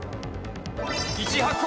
１位白鵬。